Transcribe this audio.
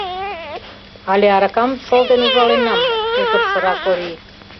Але аракам шолтен ужаленам? — утыр сыра Корий.